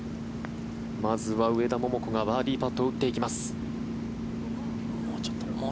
まずは上田桃子がバーディーパットを打っていきます。